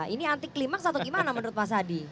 ini anti klimaks atau bagaimana menurut mas adi